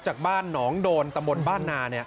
จากบ้านหนองโดนตำบลบ้านนา